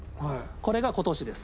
これが今年です。